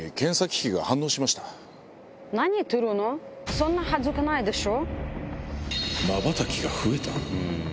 そんなはずがないでしょ。